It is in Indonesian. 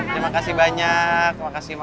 terima kasih banyak